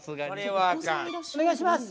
お願いします！